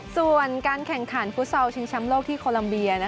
ส่วนการแข่งขันฟุตซอลชิงแชมป์โลกที่โคลัมเบีย